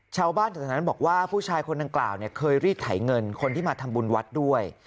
ชาวบ้านแถวนั้นบอกว่าผู้ชายคนดังกล่าวเนี่ยเคยรีดไถเงินคนที่มาทำบุญวัดด้วย